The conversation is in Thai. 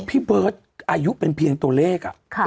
พี่เบิร์ตอายุเป็นเพียงตัวเลข